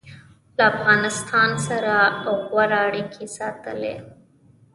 له افغانستان سره غوره اړیکې ساتلي